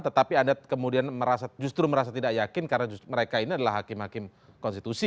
tetapi anda kemudian justru merasa tidak yakin karena mereka ini adalah hakim hakim konstitusi